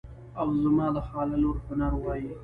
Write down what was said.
او زما د خاله لور هنر وایي.